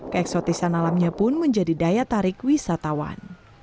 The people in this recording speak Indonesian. keeksotisan alamnya pun menjadi daya tarik wisatawan